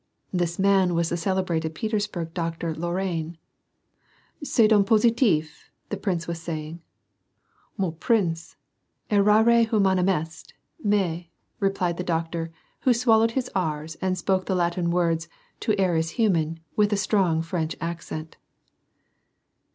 This man was the celebrated Petersburg Doctor Lorrain. ^^ (Test done positif? " the prince was saying. ^^Mon prince, * errare huinaiium est '; mais "— replied the doctor, who swallowed his r's and spoke the Latin words, "To err is human," with a strong French accent.